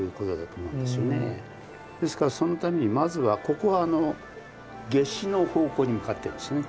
ですからそのためにまずはここは夏至の方向に向かってるんですよね